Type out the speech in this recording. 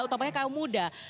utamanya kaum muda